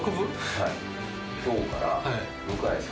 はい。